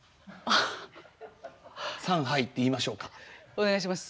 お願いします。